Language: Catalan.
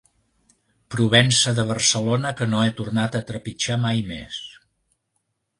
Provença de Barcelona que no he tornat a trepitjar mai més.